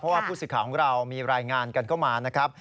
เพราะว่าผู้สื่อข่าวของเรามีรายงานกันเข้ามานะครับ